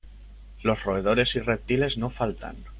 Los roedores y reptiles no faltan.